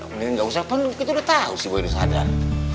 mendingan gak usah pun kita udah tahu si boy udah sadar